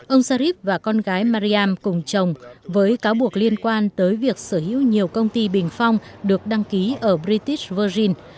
ông sharif và con gái mariam cùng chồng với cáo buộc liên quan tới việc sở hữu nhiều công ty bình phong được đăng ký ở britis vergin